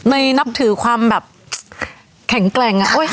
นับถือความแบบแข็งแกร่ง